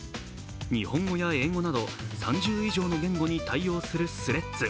日本語や英語など３０以上の言語に対応するＴｈｒｅａｄｓ。